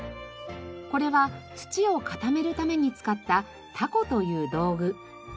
これは土を固めるために使ったタコという道具。